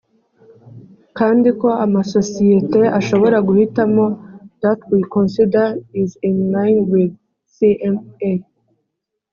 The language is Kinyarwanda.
kandi ko amasosiyete ashobora guhitamo that we consider is in line with cma